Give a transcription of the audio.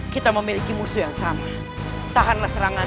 kita memiliki musuh yang sama tahanlah serangan